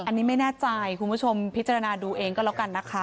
อันนี้ไม่แน่ใจคุณผู้ชมพิจารณาดูเองก็แล้วกันนะคะ